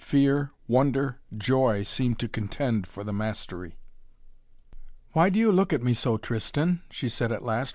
Fear, wonder, joy seemed to contend for the mastery. "Why do you look at me so, Tristan?" she said at last.